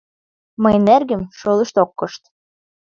— Мыйын эргым шолышт ок кошт!